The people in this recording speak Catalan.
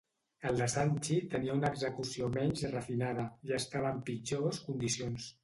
El de Sanchi tenia una execució menys refinada, i estava en pitjors condicions.